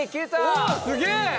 おっすげえ！